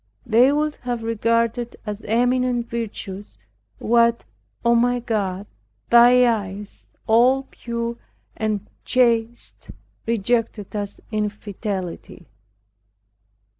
They would have regarded as eminent virtues, what, O my God, thy eyes all pure and chaste rejected as infidelity.